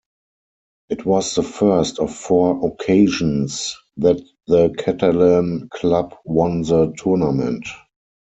It was the first of four occasions that the Catalan club won the tournament.